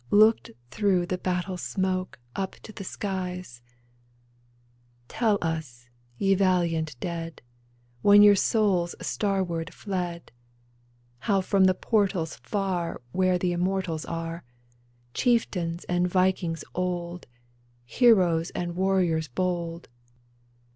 Looked through the battle smoke Up to the skies ; Tell us, ye valiant dead. When your souls starward fled, How from the portals far Where the immortals are. Chieftains and vikings old, Heroes and warriors bold.